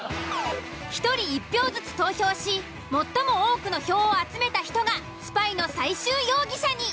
１人１票ずつ投票し最も多くの票を集めた人がスパイの最終容疑者に。